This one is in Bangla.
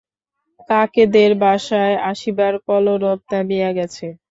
কাকেদের বাসায় আসিবার কলরব থামিয়া গেছে।